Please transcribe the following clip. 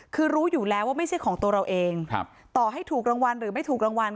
คือรู้อยู่แล้วว่าไม่ใช่ของตัวเราเองต่อให้ถูกรางวัลหรือไม่ถูกรางวัล